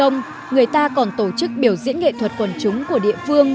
người ta còn tổ chức biểu diễn nghệ thuật quần chúng của địa phương